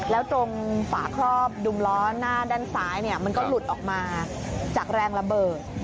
แล้วตรงฝาครอบดุมล้อหน้าด้านซ้ายมันก็หลุดออกมาจากแรงระเบิด